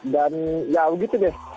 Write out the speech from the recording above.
dan ya begitu deh